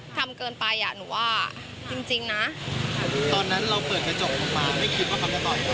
ทำเกินไปอ่ะหนูว่าจริงนะตอนนั้นเราเปิดกระจกลงมาไม่คิดว่าเขาจะต่อย